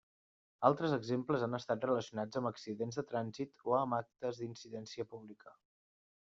Altres exemples han estat relacionats amb accidents de trànsit o amb actes d'indecència pública.